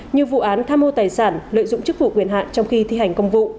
như vụ án tham mô tài sản lợi dụng chức vụ quyền hạn trong khi thi hành công vụ